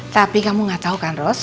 tapi kamu gak tau kan ros